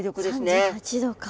３８℃か。